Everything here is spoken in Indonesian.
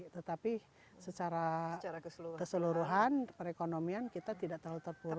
tetapi secara keseluruhan perekonomian kita tidak terlalu terpuruk